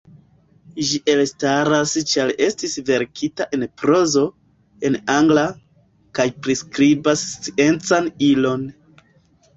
Ĝi elstaras ĉar estis verkita en prozo, en angla, kaj priskribas sciencan ilon.